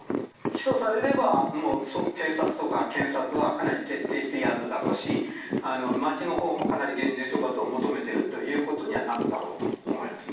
起訴されれば警察とか検察はかなり徹底してやるだろうし町のほうもかなり厳重処罰を求めているということにはなるだろうと思います。